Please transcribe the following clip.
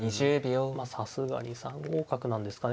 さすがに３五角なんですかね。